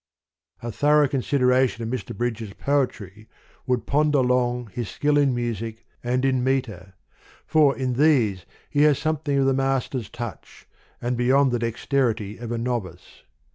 A thorough consideration of Mr. Bridges' poetry would ponder long his skill in music and in metre : for in these he has some thing of the master's touch, and beyond the dexterity of a novice.